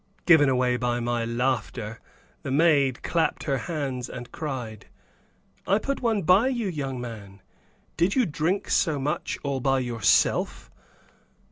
Given away by my laughter, the maid clapped her hands and cried, "I put one by you, young man; did you drink so much all by yourself?"